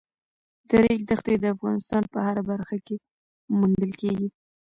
د ریګ دښتې د افغانستان په هره برخه کې موندل کېږي.